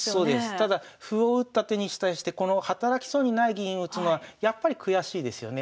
ただ歩を打った手に対してこの働きそうにない銀を打つのはやっぱり悔しいですよね。